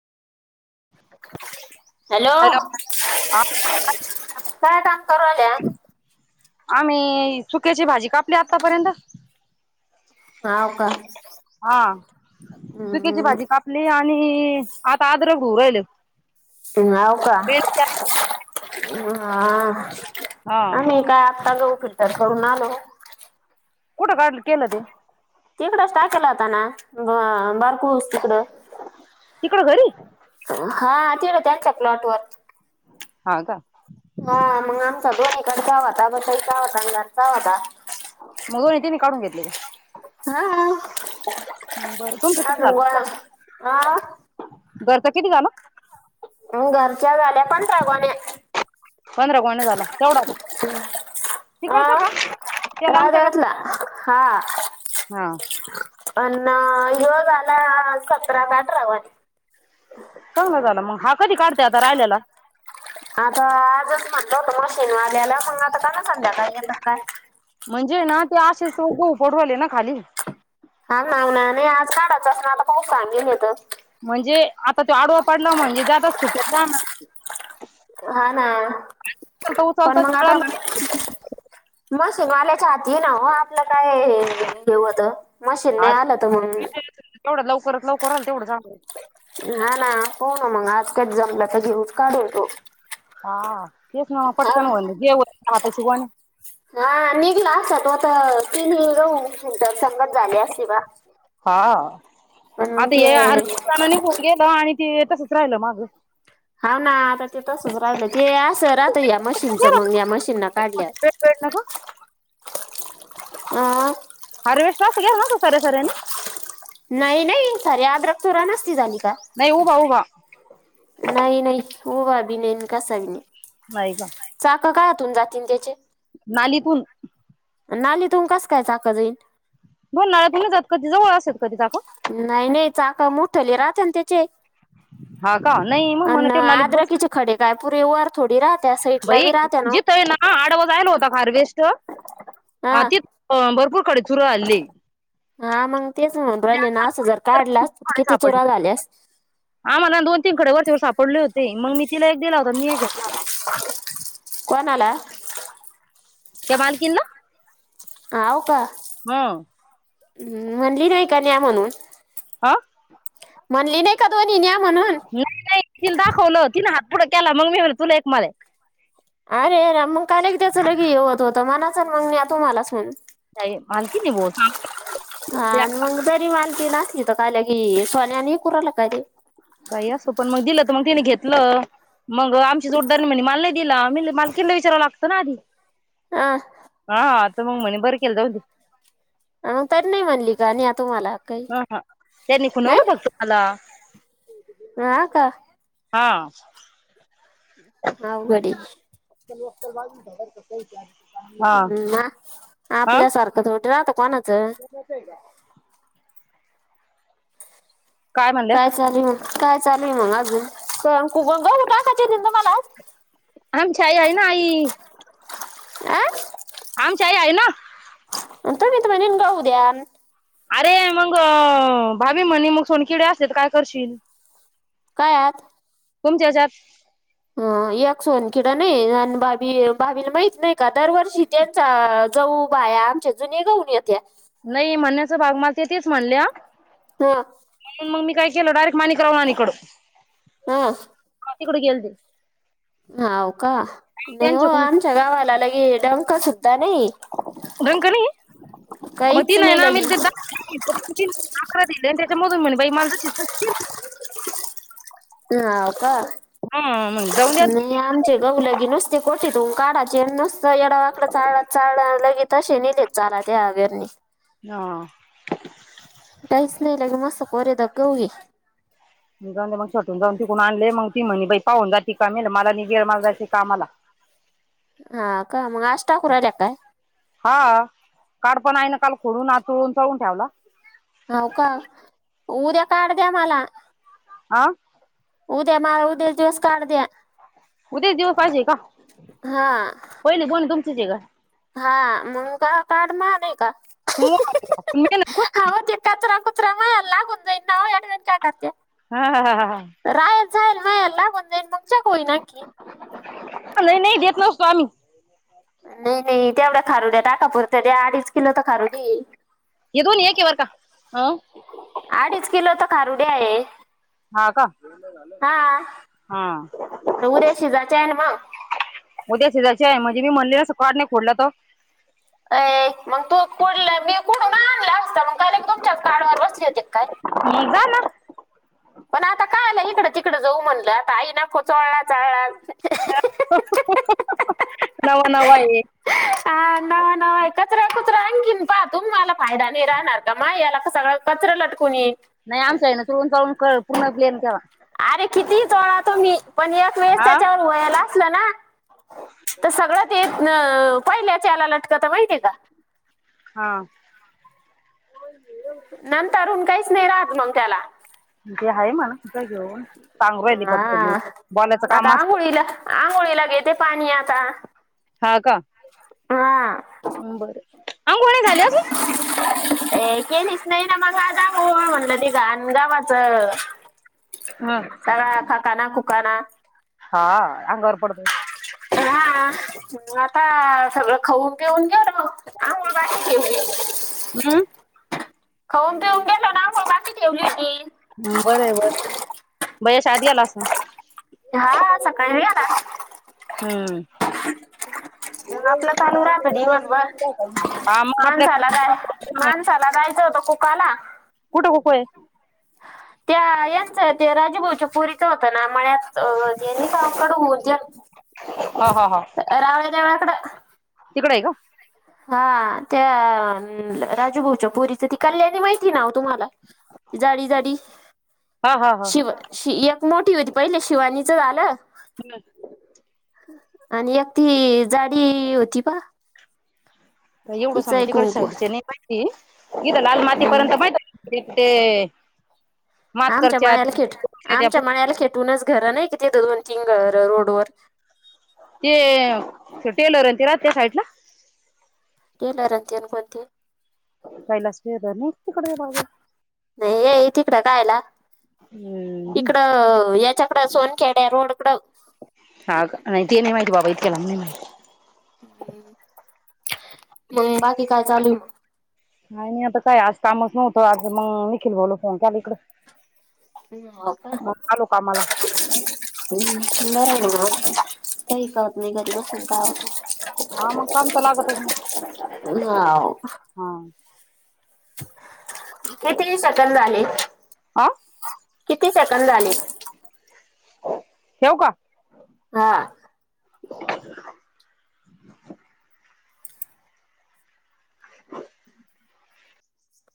Hello! काय काम करून राहिल्या? आम्ही चुक्याची भाजी कापली आतापर्यंत. हाव का हा चुक्याची हम्म भाजी काप, आणि आता आद्रक होउ राहिल. हाव का. हा, हा आम्ही काय आत्ता गहू फिल्टर करून आलो. कुठ काडल? केल ते तिकडंस टाकेल होता ना, बा बारकूस तिकडं. तिकडं घरी? हा, तिकडं त्याच्या प्लॉट वर. हा का, ह मग आमचा दोन्हीकडचा होता. वसईचा होता, घरचा होता. मग दोन्ही तिनी काढून घेतली का? हा, बरं अग वा आ घरचं किती झाल? अ घरच्या झाल्या पंधरा गोण्या. पंधरा गोण्या झाला तेवढा का. तिकडचा हा का? तेल आमच्या राहत्यातला गाव हा. अंन ह्यो झाला सतरा का अठरा गोण्या. चांगला झाला मग, हा कधी काढते आता राहिलेला? आता आजच म्हणल होत मशीनवाल्याला मग आता कान संध्याकाळी येत काय? म्हणजे ना ते आशेच उलपडू राहिले ना खाली. हा नाव ना ने आज काढाचं सन आता पाऊस सांगेल होत. म्हणजे आता तो आडवा पडला म्हणजे ज्यादा सुक्या जाणार. हा ना, उचलता पण उचलता मग आता कळंगळी मशीनवाल्याच्या हाती आहे न हो आपलं काय हे वत मशीन नाही आलं त म्हणून एवढ्या लवकरच लवकर आलं तेवढं चांगल. हा ना, आज पाहू न मग, आज कच जमलं त घेऊस काढेल तो. हा तेच ना, हा पटकन होईल जे होईन ते हाताच्या गोण्या. हा निघला असता तो त, तीन गहू क्विंटल संगस झाले असते बा. हा, पण मग आता ते हे आर्वी च्यान निघून गेलं आणि ते तसंच राहिलं माझं. हा ना, आता ते तसच राहिलं ते अस राहतय या मशीनचं मग या मशीन काढल्यावर. ते केळ नको. अ, हारवेस्ट [unintelligible] सरे सरेनी. नाही नाही, सारे आद्रक चुरा नसती झाली का? नाही उभा उभा नाही नाही, उभा बी नाही कसा बी नाही. बाई गं. चाक काहातून जातीन त्याचे? नालीकुन नालीतुन कस काय चाक जाईन? उन्हाळ्यात नाही जात कधी जाऊ अस कधी दाखवा. नाही नाही, चाक मोठाले राहतं न त्याचे? हा का, नाही मग म्हणे अन त्यो नालीत बस अद्रकीचे खडे काय पुरीे वर थोडी राहत्या साईटला बी राहत्या नव. हा आडवा जायेल होता हार्वेस्ट. हा तीत भरपूर खडे चुरून [unintelligible] हा मग तेच म्हणून राहीले ना, असं जर काढला खूप असता खडे किती सापडले. चुरा झाले अस आम्हाला दोन तीन खडे वरच्यावर सापडले होते. मग मी तिला एक दिला होता. मी एक घेतला होता. कोणाला? त्या मालकीण ना. आव का. हम्म. म्हणली नाही का न्या म्हणून हा. म्हणली नाही का दोन्हीं न्या म्हणून? नाही नाही. तिला दाखवलं तिनं हात पुढ केला मग मी म्हणल, तुला एक. मला एक. अरे मग काल एक त्याच लगे हे होतं होत. म्हणाच ना मग ने तुम्हाला सून नाही. मालकीण आहे बुआ ती. हा जरी मालकीण असली तरी काय लगि सोन्याने हे करू लगे. काही असो. पण मग दिलं तर मग तिने घेतलं. मग आमची जोडीदार म्हणे मला नाही दिला. मी म्हणल मालकीन ला विचारवं लागतं ना आधी. हा हा. आता मंग म्हणे बर केल जाऊदे. नंतर म्हणली का न्या तुम्हाला? काही हा हा त्यांनी नाही खुनवलं फक्त मला. हा का. हा. अवघड आहे. [unintelligible] हम्म. म आपल्यासारखंच कुठ राहतं कोणाचं. बसय का? काय म्हणल्या? चालेल मग. काय चालेल मग अजून. आमची आई आहे ना आई. आ. आमची आई आहे ना. तुम्ही तन म्हणेल उद्या आण. अरे मग भाभी म्हणे मग सोनकिडे असतील तर काय करशील? काय आत? तुमच्या जात. ह एक सोनकीडा नाही आणि भा भाभीला माहित नाही का दरवर्षी त्यांचा जाऊ बाया आमच्या जुने गाऊन येत्या. नाही म्हणण्याचा भाग मला तेच म्हणल्या. हा. म्हणून मग मी काय केलं. डायरेक्ट माणिक राव आणि इकड हा. हा तिकडे गेल ते. हाव का. नाही हो. त्यांच्याकडून आमच्या गावाला लगे डंका सुद्धा नाही. डंका नाही. मग ती काहीच नाही ना आम्ही लगी ते दा त अकरा दिले आणि त्याच्यामधून म्हण बाई माल कशी हाव का. हा मग जाऊन द्या नाय आम चे गहू लगी नुसते कोठ्यातून काढाचे. नुसतं येड वाकडं चाळ चाळल लगेच तसे नेलेत. चारा त्या अवेरणी. हा. काहीच नाही राहिलं. मस्त कोरे दात होईल. म जाऊन मग छटून जाऊन तिकून आणले मग ती म्हणी बई पाहुन जाते मी कामाला मला लय जय यल कामाला [inaudible] हा का मग आज टाकून आले की काय? हा काल पण आईने खोडून आचळूनचाळून ठेवला. हौव का उद्या काढ द्या मला आ उद्या मा उद्याचे दिवस कार्ड द्या उद्याच दिवस पाहिजे का? हा पहिले दोन तुमचेच हाय का हा मग काय कार्ड महाग आहे का? [unintelligible] आहो ते कचरा कुचरा माया लागुन जाईल ना [unintelligible] हा ह ह ह ह रायल जाईल नाहीयाल लावून जाईल मग जगई नक्की. लई लई भेत नसतो आम्ही नाही नाही तेवढं खारुडया ताटापुरता द्या अडीच तिने तर खारुदी. हे दोन्ही एके बर का अ अडीच किलो त्या खारुड्या आहेत हा का हा तर उद्या शिजायचे आहे ना मग उद्या शिजायचय मग हिने म्हटले सुकाळ नाही खोडला तर ये मग तू कुठल्या मी कुठून आणला असता मी का तुझ्याच कार्डवर बसले. मी जाना पण आता काय आलं इकडं तिकड जाऊ म्हणलं आता आई नको चोळला चळला नवा नवा आहे हे हा नवा नवा कचरा कचरा आणंगीन प तुम मला फायदा नाही राहणार का मा याला का सगळं. कचरा लटकून येईल. नाही आमचां आहे ना तळून ते पूर्ण प्लेन ठेवा. अरे किती पण चोळा तुम्ही पण एकवेळ हा अस ना तर सगळं ते पहिल्याला लटके ला तुला माहितीय का? हा नंतर आणून काहीच नाही राहत मग त्याला. ते आहे म्हणा घेऊन सांगून राहिले फक्त मी हा. बोलायचं आता काम असत. आंघोळीला आंघोळीला घेते पाणी आता. हा का हा बर आंघोळ झाल्या अजून? ए केलीस नाही ना मग आज अंघोळ म्हटलं ते घाण गव्हाचं. हं. सगळा खकाना खुकाना. हा अंगावर पडतोय हा आता सगळं खाऊन पिऊन घेऊ ना आंघोळ घातली हम्म खाऊन पिऊन पेऊन गेल ना म आंघोळ घातलीय ठेवली ती भया शाळत गेलास ना हा सकाळी याला हम्म. मग आपलं चालू राहतं दिवनभर हा मग आपल्या माणसाला काय माणसाला जायचं होत खूप काला कुठं गोकुळे? त्या यांचं ते राजभाऊच्या पुरीच होतं ना मळ्यात. अ जेनी कावकड ज हा हा [unintelligible] रावळ्या देवळा कडं. तीकड आहे का? हा त्या राजूभाऊच्या पुरीच ति कल्याणी माहिती नाहो तुम्हाला? जाडी, जाडी हा हा हा शिव शि एक मोठी होती पहिले शिवानीच झालं. हम् [unintelligible] आणि एक ती जाडी होती पा? एवढं तिचं सांगू आहे तिकडे कुंकू साईडच्या नाही माहिती इथ लाल माती हम्म पर्यंत माहिती ते आमच्या मातकरच्या माळ्याला ते खेट आमच्या माळ्याला खेटूनच घर नाही किती दोन, तीन रोड वर. ते टेलर अन ते राहते त्या साईड ला? टेलर अन ते न कोणते? कैलास टेलर नाही का तिकड भाऊ? नाही हे हे तिकडं कायला? हम्म. इकड याच्याकड सोनखेडया रोड कड. हा का नाही ते नाही माहिती बाबा इतक्या लांब नाही माहिती. हम्म, मग बाकी काय चालू मग? काही नाही आता काही आज कामच नव्हतं आज मग निखिल भाऊला फोन केला इकडं. निखिल भाऊ का कामाला [unintelligible] काही काळत नाही [unintelligible] हा मग काम त लागतच ना. हाव. हे काय तिन सटर झाले. आ? किती सेकंड झाले? ठेऊ का? हा. ह [unintelligible] [inaudible]